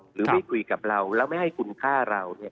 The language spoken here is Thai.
หรือไม่คุยกับเราแล้วไม่ให้คุณค่าเราเนี่ย